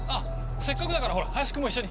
せっかくだから林君も一緒に。